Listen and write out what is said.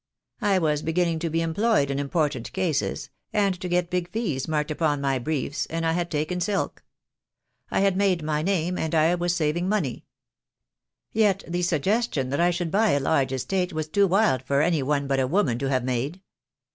I was beginning to be employed in important cases, and to get big fees marked upon my briefs, and I had taken silk. I had made my name, and I was saving money. Yet the suggestion that I should buy a large estate was too wild for any one but a woman to have made.